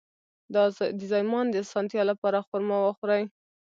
د زایمان د اسانتیا لپاره خرما وخورئ